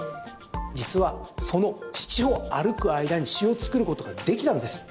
実はその７歩歩く間に詩を作ることができたんです。